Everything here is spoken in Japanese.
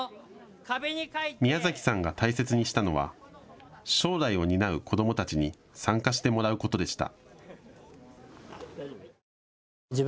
ミヤザキさんが大切にしたのは将来を担う子どもたちに参加してもらうことでした。